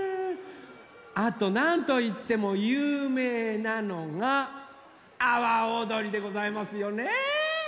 あとなんといってもゆうめいなのが「あわおどり」でございますよね！